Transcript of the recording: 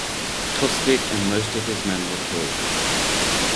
Tostig and most of his men were killed.